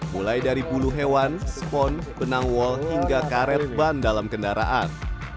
mulai dari bulu hewan spon benang wall hingga karet ban dalam kendaraan